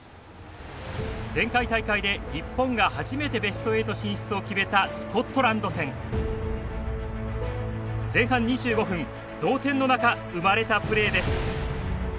前回大会で、日本が初めてベスト８進出を決めたスコットランド戦。前半２５分同点の中、生まれたプレーです。